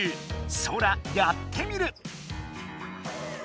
ソラやってみる！